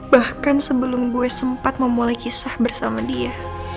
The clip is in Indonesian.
bahkan sebelum gue sempat memulai kisah bersama dia